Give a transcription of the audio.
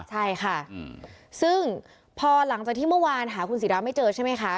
ใช่ค่ะซึ่งพอหลังจากที่เมื่อวานหาคุณศิราไม่เจอใช่ไหมคะ